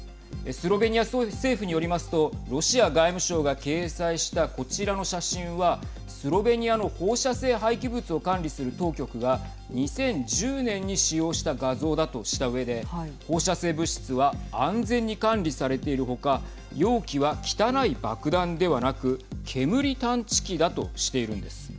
スロベニア政府によりますとロシア外務省が掲載したこちらの写真はスロベニアの放射性廃棄物を管理する当局が２０１０年に使用した画像だとしたうえで放射性物質は安全に管理されている他容器は汚い爆弾ではなく煙探知機だとしているんです。